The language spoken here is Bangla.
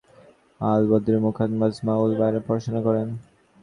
তিনি সেখানে কাফিয়া, মুফাসসাল, আল-কুদুরির মুখতার এবং মাজমা-উল-বাহরাইনের পড়াশোনা করেন ।